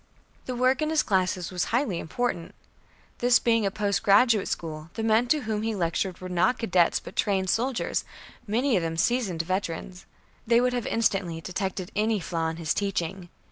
The work in his classes was highly important. This being a post graduate school, the men to whom he lectured were not cadets but trained soldiers, many of them seasoned veterans. They would have instantly detected any flaw in his teaching.